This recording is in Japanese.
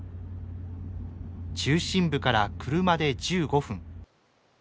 中心部から車で１５分。